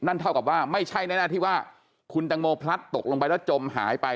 เท่ากับว่าไม่ใช่แน่ที่ว่าคุณตังโมพลัดตกลงไปแล้วจมหายไป